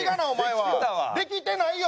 できてないよ！